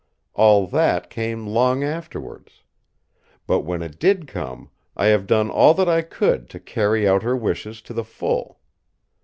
All that came long afterwards. But when it did come, I have done all that I could to carry out her wishes to the full.